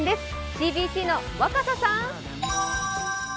ＣＢＣの若狭さん。